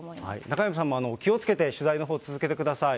中山さんも気をつけて取材のほう、続けてください。